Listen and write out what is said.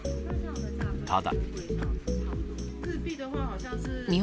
ただ。